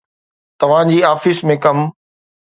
توهان جي آفيس ۾ ڪم.